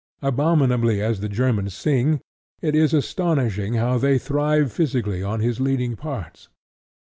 Abominably as the Germans sing, it is astonishing how they thrive physically on his leading parts.